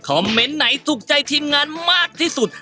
เมนต์ไหนถูกใจทีมงานมากที่สุด